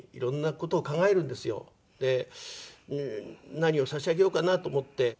何を差し上げようかなと思って。